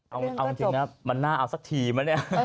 เอาจริงนะมันน่าเอาสักทีไหมเนี่ย